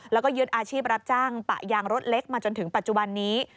แล้วก็ยึดอาชีพรับจ้างปะยางรถเล็กมาจนถึงปัจจุบันนี้